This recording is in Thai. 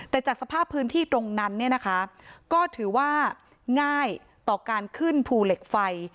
แต่จากสภาพพื้นที่ตรงนั้นเนี่ยนะคะก็ถือว่าง่ายต่อการขึ้นภูเหล็กไฟ